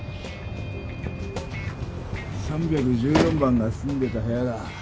３１４番が住んでた部屋だ。